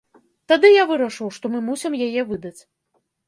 Тады я вырашыў, што мы мусім яе выдаць.